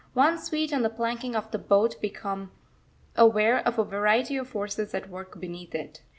One's feet on the planking of the boat become aware of a variety of forces at work beneath it.